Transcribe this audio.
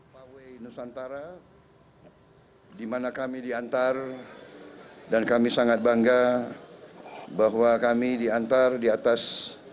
pawai nusantara dimana kami diantar dan kami sangat bangga bahwa kami diantar di atas